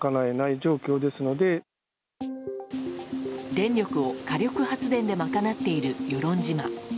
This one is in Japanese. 電力を火力発電で賄っている与論島。